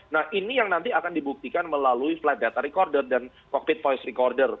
nah ini yang nanti akan dibuktikan melalui flight data recorder dan cockpit voice recorder